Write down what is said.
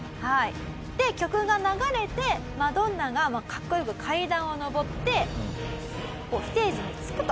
で曲が流れてマドンナが格好良く階段を上ってこうステージに着くと。